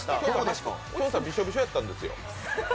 きょんさん、びしょびしょだったんですよ。